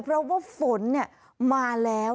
เพราะว่าฝนมาแล้ว